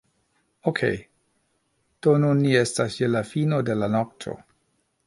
Okej' do nun ni estas je la fino de la nokto